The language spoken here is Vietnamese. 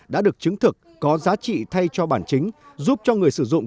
đã được chứng thực có giá trị thay cho bản chính giúp cho người sử dụng